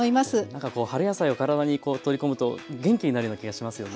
なんかこう春野菜を体に取り込むと元気になるような気がしますよね。